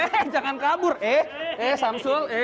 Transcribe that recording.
eh jangan kabur eh samsul eh